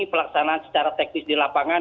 pelaksanaan secara teknis di lapangan